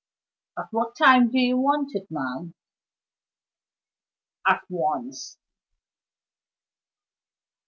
"At what time do you want it, ma'am?" "At once!"